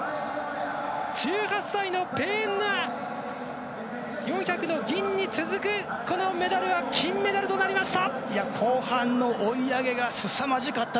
１８歳のペーンヌア４００の銀に続くこのメダルは金メダルとなりました。